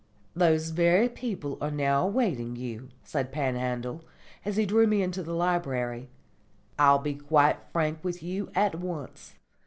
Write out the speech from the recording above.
"Those very people are now awaiting you," said Panhandle, as he drew me into the library. "I will be quite frank with you at once.